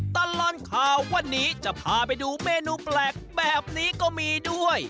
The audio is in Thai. ตลอดข่าววันนี้จะพาไปดูเมนูแปลกแบบนี้ก็มีด้วย